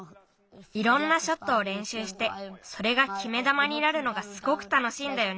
いろんなショットをれんしゅうしてそれがきめだまになるのがすごくたのしいんだよね。